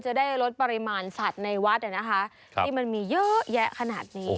จะได้ลดปริมาณสัตว์ในวัดที่มันมีเยอะแยะขนาดนี้